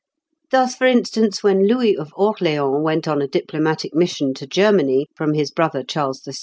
Thus, for instance, when Louis of Orleans went on a diplomatic mission to Germany from his brother Charles VI.